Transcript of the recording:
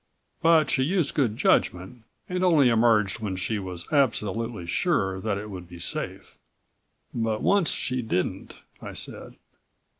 But she used good judgment and only emerged when she was absolutely sure that it would be safe." "But once she didn't," I said.